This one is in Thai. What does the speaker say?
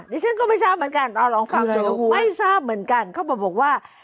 ฉันก็ไม่ทราบเหมือนกันเอาลองฟังเลยไม่ทราบเหมือนกันเขาบอกว่า